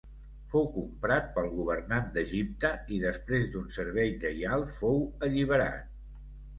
Fou comprat pel governant d'Egipte i després d'un servei lleial fou alliberat.